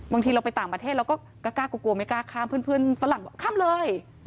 บางทีเราไปต่างประเทศเราก็กล้ากลัวไม่กล้าข้ามเพื่อนฝรั่งบอกข้ามเลย